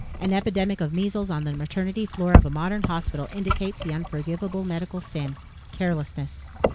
An epidemic of measles on the maternity floor of a modern hospital indicates the unforgivable medical sin carelessness.